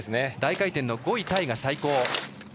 大回転の５位タイが最高。